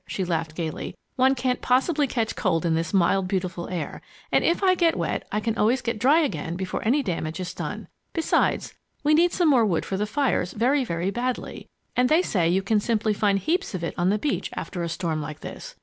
she laughed gaily. "One can't possibly catch cold in this mild, beautiful air; and if I get wet, I can always get dry again before any damage is done. Besides, we need some more wood for the fires very, very badly and they say you can simply find heaps of it on the beach after a storm like this.